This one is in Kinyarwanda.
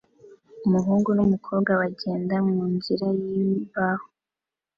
Umuhungu numukobwa bagenda munzira yimbaho